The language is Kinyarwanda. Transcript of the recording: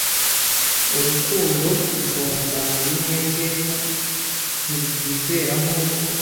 Urukundo, rwonsa mubinezeza, ntirwizera nkuko,